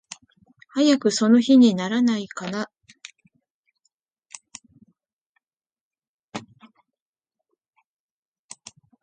早くその日にならないかな。